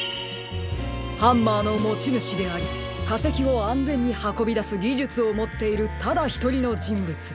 ハンマーのもちぬしでありかせきをあんぜんにはこびだすぎじゅつをもっているただひとりのじんぶつ。